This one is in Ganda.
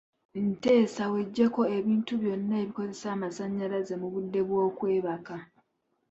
Nteesa weggyeko ebintu byonna ebikozesa amasannyalaze mu budde bw'okwebaka.